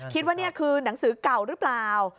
คิดว่านี่คือหนังสือเก่าหรือเปล่า